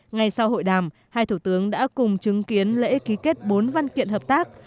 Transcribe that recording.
ngay sau hội đàm hai thủ tướng đã cùng chứng kiến lễ ký kết bốn văn kiện hợp tác